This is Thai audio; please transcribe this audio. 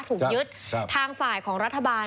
ถูกยึดทางฝ่ายของรัฐบาล